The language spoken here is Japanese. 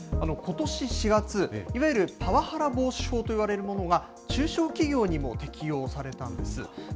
ことし４月、いわゆるパワハラ防止法といわれるものが中小企業にも適用されているんです。